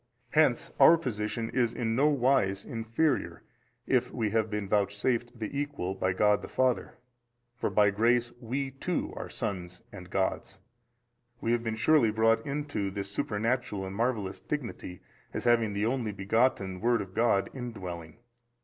Hence our position is in no wise inferior, if we have been vouchsafed the equal by God the Father (for by grace WE too are sons and gods): we have been surely brought unto this supernatural and marvellous dignity as having the Only Begotten Word of God in dwelling.